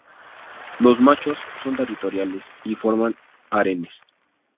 Los machos son territoriales y forman harenes.